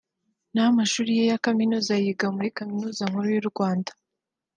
naho amashuri ye ya Kaminuza ayiga muri Kaminuza nkuru y’u Rwanda